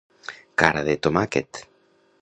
Cara de tomàquet.